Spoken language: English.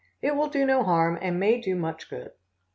It will do no harm, and may do much good.